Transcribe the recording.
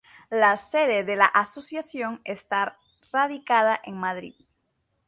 La sede de la Asociación está radicada en Madrid.